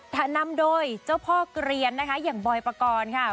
นำโดยเจ้าพ่อเกลียนนะคะอย่างบอยปกรณ์ค่ะ